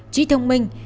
trí thông minh